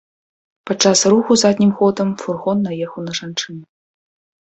Падчас руху заднім ходам фургон наехаў на жанчыну.